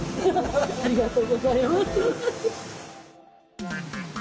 ありがとうございます。